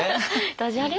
ダジャレ？